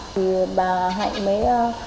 bà hạnh mấy